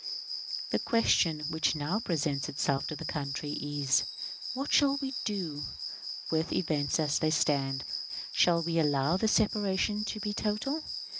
The question which now presents itself to the country is, What shall we do with events as they stand? Shall we allow this separation to be total?